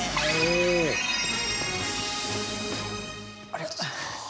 ありがとうございます。